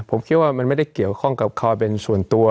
ผมคิดว่ามันไม่ได้เกี่ยวข้องกับความเป็นส่วนตัว